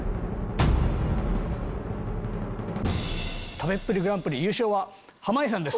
「食べっぷりグランプリ」優勝は濱家さんです。